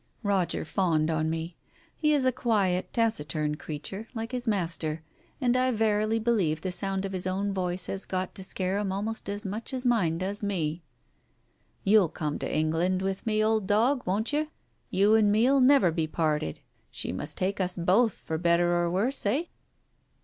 Roger fawned on me. He is a quiet, taciturn creature, like his master, and I verily believe the sound of his own voice has got to scare him almost as much as mine does me. "You'll come to England with me, old dog, won't o 2 Digitized by Google 196 TALES OF THE UNEASY you ? You and me'll never be parted ; she must take us both for better or worse, eh